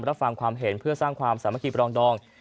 รับฟังความเห็นเพื่อสร้างความสามัคคีปรองดอง